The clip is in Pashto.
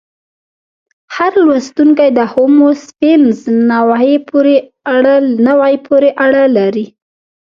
هر لوستونکی د هومو سیپینز نوعې پورې اړه لري.